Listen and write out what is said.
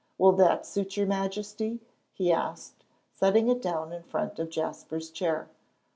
"Will that suit your Majesty?" he asked, setting it down in front of Jasper's chair.